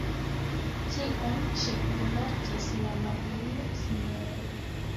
Tion ĉi rimarkis la maljuna sinjoro.